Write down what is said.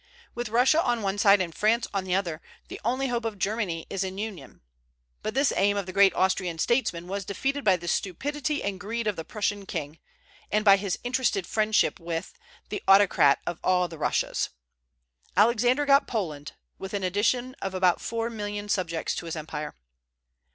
With Russia on one side and France on the other, the only hope of Germany is in union. But this aim of the great Austrian statesman was defeated by the stupidity and greed of the Prussian king, and by his interested friendship with "the autocrat of all the Russias." Alexander got Poland, with an addition of about four million subjects to his empire.